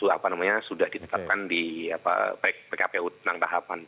apa namanya sudah ditetapkan di pkpu tentang tahapan